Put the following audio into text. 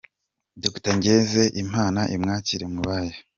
Dr. Ngeze Imana imwakire mu bayo.